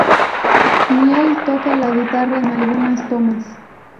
Niall toca la guitarra en algunas tomas.